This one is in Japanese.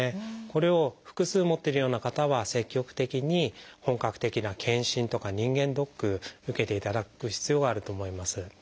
これを複数持ってるような方は積極的に本格的な検診とか人間ドック受けていただく必要があると思います。